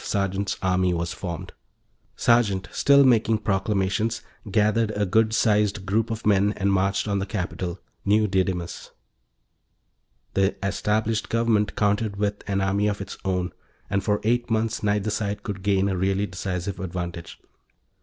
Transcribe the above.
Sergeant's army was formed; Sergeant, still making proclamations, gathered a good sized group of men and marched on the capital, New Didymus. The established government countered with and army of its own, and for eight months, neither side could gain a really decisive advantage.